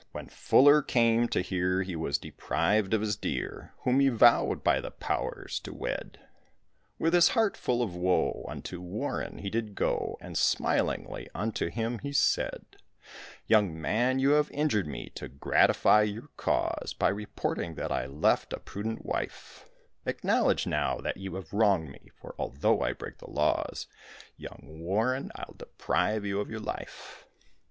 When Fuller came to hear he was deprived of his dear Whom he vowed by the powers to wed, With his heart full of woe unto Warren he did go, And smilingly unto him he said: "Young man, you have injured me to gratify your cause By reporting that I left a prudent wife; Acknowledge now that you have wronged me, for although I break the laws, Young Warren, I'll deprive you of your life."